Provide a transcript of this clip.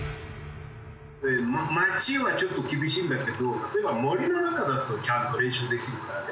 街はちょっと厳しいんだけど例えば森の中だとちゃんと練習できるからね。